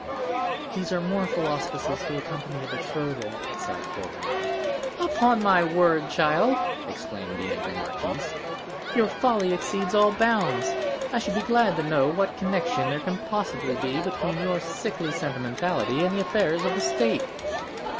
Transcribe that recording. "These are mournful auspices to accompany a betrothal," sighed poor Renée. "Upon my word, child!" exclaimed the angry marquise, "your folly exceeds all bounds. I should be glad to know what connection there can possibly be between your sickly sentimentality and the affairs of the state!"